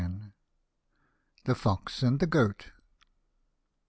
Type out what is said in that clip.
THE FOX AND THE GOAT.